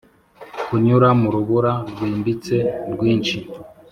kunyura mu rubura rwimbitse, rwinshi,